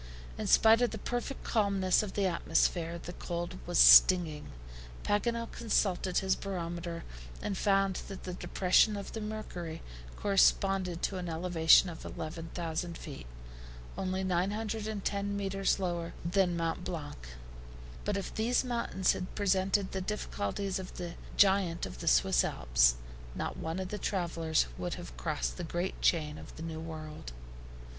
In spite of the perfect calmness of the atmosphere, the cold was stinging. Paganel consulted his barometer, and found that the depression of the mercury corresponded to an elevation of 11,000 feet, only 910 meters lower than Mont Blanc. But if these mountains had presented the difficulties of the giant of the Swiss Alps, not one of the travelers could have crossed the great chain of the New World.